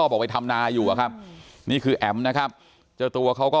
บอกไปทำนาอยู่อะครับนี่คือแอ๋มนะครับเจ้าตัวเขาก็